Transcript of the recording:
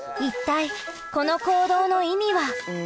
一体この行動の意味は？